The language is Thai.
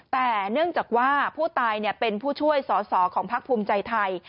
แต่เนื่องจากว่าผู้ตายเป็นผู้ช่วยสอสอของพักภูมิใจไทย